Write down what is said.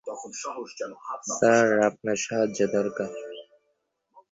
Sir, আপনার সাহায্য দরকার।